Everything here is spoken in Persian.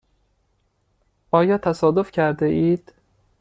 آیا تصادف کرده اید؟